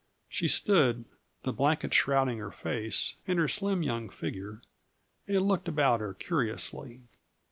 She stood, the blanket shrouding her face and her slim young figure, and looked about her curiously.